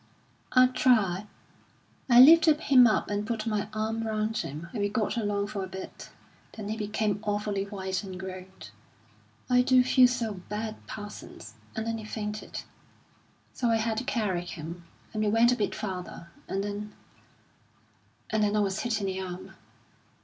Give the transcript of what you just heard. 'I'll try.' I lifted him up and put my arm round him, and we got along for a bit; then he became awfully white and groaned, 'I do feel so bad, Parsons,' and then he fainted. So I had to carry him; and we went a bit farther, and then and then I was hit in the arm.